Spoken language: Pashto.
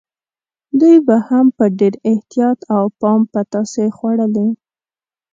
دوی به هم په ډېر احتیاط او پام پتاسې خوړلې.